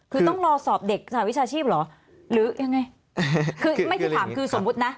คือต้องรอสอบเด็กสหวิชาชีพเหรอหรือยังไงคือไม่ที่ถามคือสมมุตินะ